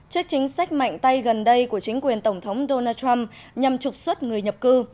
trước chính sách mạnh tay gần đây của chính quyền tổng thống donald trump nhằm trục xuất người nhập cư